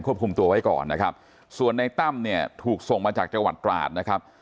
คุมตัวไว้ก่อนนะครับส่วนในตั้มเนี่ยถูกส่งมาจากจังหวัดตราดนะครับ